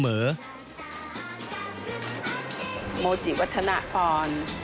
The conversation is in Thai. โมจิวัฒนพร